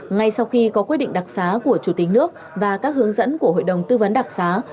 ngay sau khi có quyết định đặc xá của chủ tịch nước và các hướng dẫn của hội đồng tư vấn đặc xá